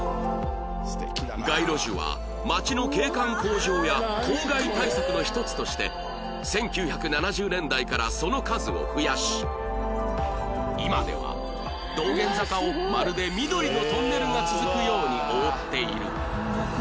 街路樹は街の景観向上や公害対策の一つとして１９７０年代からその数を増やし今では道玄坂をまるで緑のトンネルが続くように覆っている